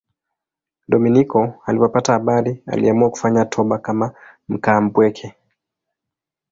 Dominiko alipopata habari aliamua kufanya toba kama mkaapweke.